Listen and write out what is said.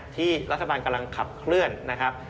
ที่รัฐบาลกำลังขับเคลื่อนนะครับ